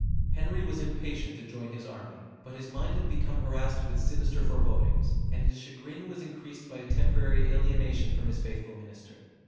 Henry was impatient to join his army; but his mind had become harassed with sinister forebodings, and his chagrin was increased by a temporary alienation from his faithful minister.